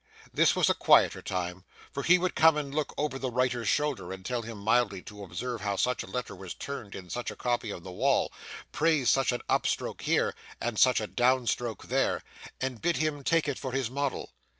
This was a quieter time; for he would come and look over the writer's shoulder, and tell him mildly to observe how such a letter was turned in such a copy on the wall, praise such an up stroke here and such a down stroke there, and bid him take it for his model.